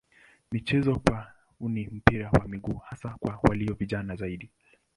Michezo kwao ni mpira wa miguu hasa kwa walio vijana zaidi.